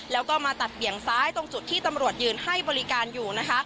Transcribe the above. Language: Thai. แล้วก็มาตัดเบี่ยงซ้ายตรงจุดที่ตำรวจยืนให้บริการอยู่นะคะ